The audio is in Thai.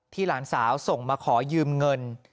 หลานสาวส่งมาขอยืมเงิน